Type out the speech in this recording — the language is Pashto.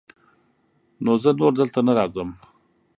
نو زه نور دلته نه راځم.